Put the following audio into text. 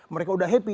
mereka udah happy